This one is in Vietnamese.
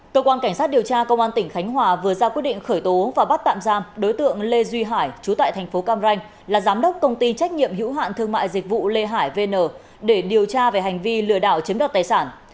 cơ quan cảnh sát điều tra công an tỉnh khánh hòa vừa ra quyết định khởi tố và bắt tạm giam đối tượng lê duy hải chú tại thành phố cam ranh là giám đốc công ty trách nhiệm hữu hạn thương mại dịch vụ lê hải vn để điều tra về hành vi lừa đảo chiếm đoạt tài sản